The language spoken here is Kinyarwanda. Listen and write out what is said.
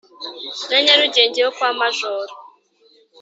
Na Nyarugenge yo kwa Majoro